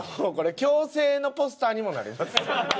矯正のポスターにもなります。